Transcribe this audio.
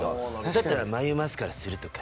だったら眉マスカラするとか。